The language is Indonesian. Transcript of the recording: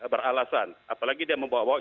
beralasan apalagi dia membawa bawa